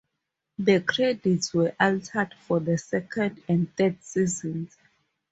The credits were altered for the second and third seasons.